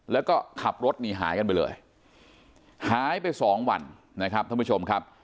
แล้วก็ขับรถหนีหายกันไปเลยหายไปสองวันนะครับท่านผู้ชมครับ